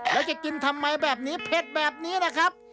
แล้วจะกินทำไมแบบนี้เผ็ดแบบนี้นะครับ